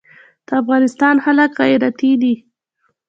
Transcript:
د افغانستان خلک غیرتي دي